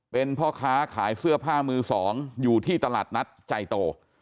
เป็นพ่อค้าขายเสื้อผ้ามือสองอยู่ที่ตลาดนัดใจโต